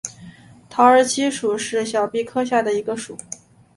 桃儿七属是小檗科下的一个属。